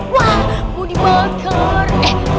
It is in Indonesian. wah mau dibakar